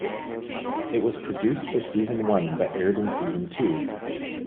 It was produced for season one, but aired in season two.